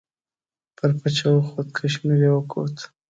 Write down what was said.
پر پچه وخوت کشمیر یې وکوت.